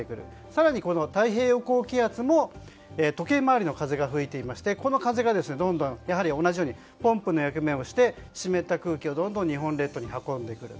更に太平洋高気圧も時計回りの風が吹いていましてこの風がどんどん同じようにポンプの役目をして湿った空気をどんどん日本列島に運んでくる。